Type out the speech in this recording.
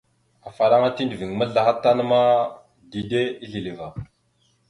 Afalaŋa tiɗəviŋ maslaha tan ma, dide isleva.